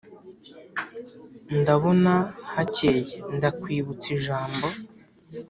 ndabona hakeye Ndakwibutsa ijambo